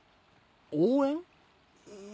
応援？